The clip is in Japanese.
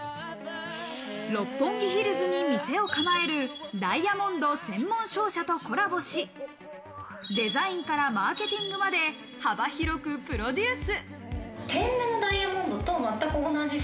六本木ヒルズに店を構えるダイヤモンド専門商社とコラボし、デザインからマーケティングまで幅広くプロデュース。